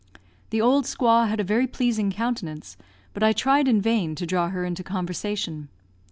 The old squaw had a very pleasing countenance, but I tried in vain to draw her into conversation.